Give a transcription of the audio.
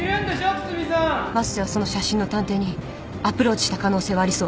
升瀬はその写真の探偵にアプローチした可能性はありそう？